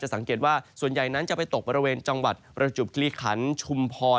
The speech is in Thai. สังเกตว่าส่วนใหญ่นั้นจะไปตกบริเวณจังหวัดประจุบกิริขันชุมพร